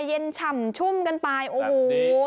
ฉ่ำชุ่มกันไปโอ้โห